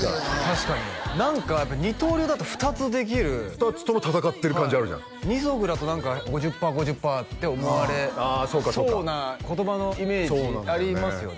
確かに何か二刀流だと２つできる２つとも戦ってる感じあるじゃん二足だと何か５０パー５０パーって思われそうな言葉のイメージありますよね